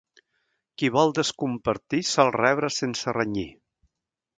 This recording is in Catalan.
Qui vol descompartir sol rebre sense renyir.